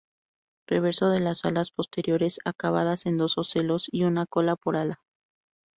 Reverso de las alas posteriores acabadas en dos ocelos y una cola por ala.